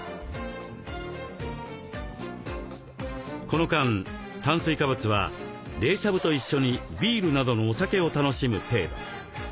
この間炭水化物は冷しゃぶと一緒にビールなどのお酒を楽しむ程度。